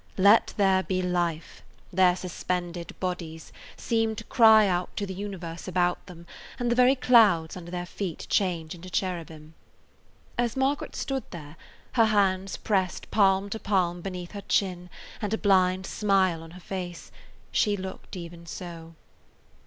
"Let there be life," their suspended bodies seem to cry out to the universe about them, and the very clouds under their feet change into cherubim. As Margaret stood there, her hands pressed palm to palm beneath her chin and a blind smile on her face, she looked even so.